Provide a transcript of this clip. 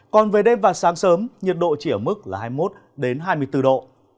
còn về đêm và sáng sớm nhiệt độ chỉ ở mức hai mươi một hai mươi bốn độ